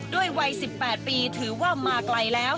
วัย๑๘ปีถือว่ามาไกลแล้ว